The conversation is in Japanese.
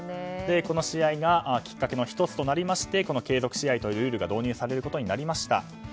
この試合がきっかけの１つとなりまして継続試合というルールが導入されることになりました。